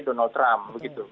dari donald trump